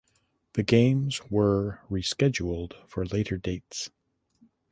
The games were rescheduled for later dates.